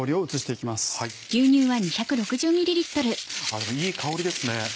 いい香りですね。